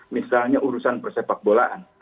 misalnya urusan persepak bolaan